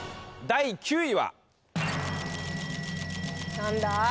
・何だ？